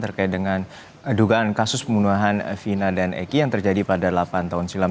terkait dengan dugaan kasus pembunuhan vina dan eki yang terjadi pada delapan tahun silam